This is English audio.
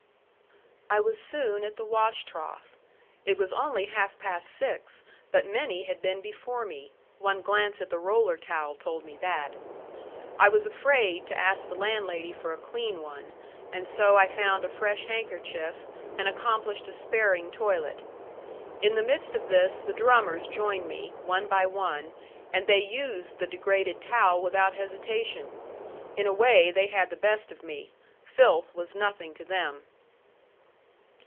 I was soon at the wash trough. It was only half past six, but many had been before me, one glance at the roller towel told me that. I was afraid to ask the landlady for a clean one, and so I found a fresh handkerchief, and accomplished a sparing toilet. In the midst of this the drummers joined me, one by one, and they used the degraded towel without hesitation. In a way they had the best of me; filth was nothing to them.